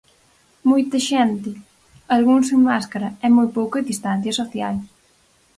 Moita xente, algúns sen máscara e moi pouca distancia social.